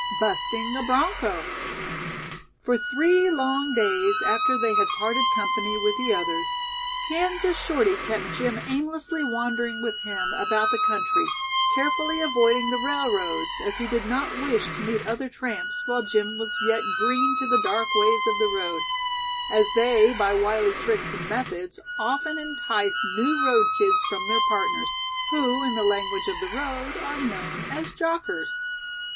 "Busting a Broncho." For three long days after they had parted company with the others, Kansas Shorty kept Jim aimlessly wandering with him about the country, carefully avoiding the railroads, as he did not wish to meet other tramps while Jim was yet "green" to the dark ways of the road, as they by wily tricks and methods often entice new road kids from their partners, who in the language of the road are known as "jockers".